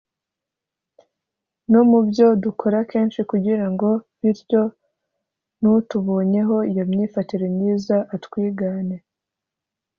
no mu byo dukora kenshi kugira ngo bityo n’utubonyeho iyo myifatire myiza atwigane